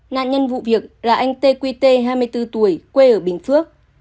nạn nhân vụ việc là anh tê quy tê hai mươi bốn tuổi quê ở bình phước